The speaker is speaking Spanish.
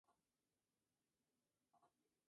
Las flores son hermafroditas y de color rojo.